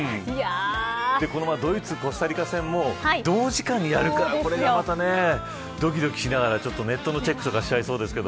この前のドイツコスタリカ戦も同時間にあるからどきどきしながら、ネットのチェックもしちゃいそうです。